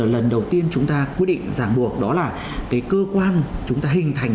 lần đầu tiên chúng ta quy định giảng buộc đó là cơ quan chúng ta hình thành